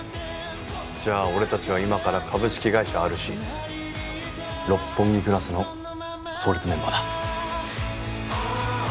じゃあ俺たちは今から株式会社ＲＣ六本木クラスの創立メンバーだ。